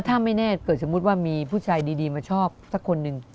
ถ้าไม่แน่เกิดสมมุติว่ามีผู้ชายดีมาชอบสักคนหนึ่ง